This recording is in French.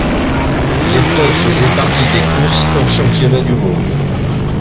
L'épreuve faisait partie des courses hors-championnat du monde.